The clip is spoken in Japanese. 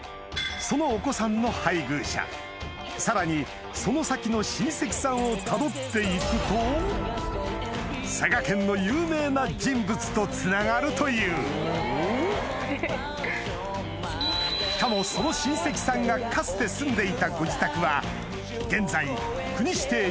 そのお子さんの配偶者さらにその先の親戚さんをたどって行くと佐賀県の有名な人物とつながるというしかもその親戚さんがかつて住んでいた